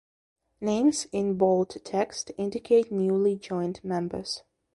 Names in bold text indicate newly joined members.